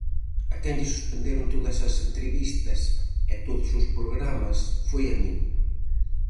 A quen lle suspenderon todas as entrevistas e todos os programas foi a min.